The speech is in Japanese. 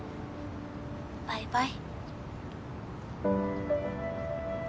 バイバイ。